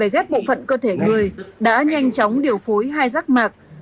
các bộ phận cơ thể người đã nhanh chóng điều phối hai rắc mạc